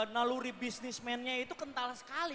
naluri bisnismennya itu kental sekali